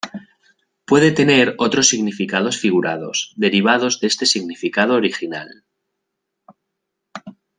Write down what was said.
Puede tener otros significados figurados derivados de este significado original.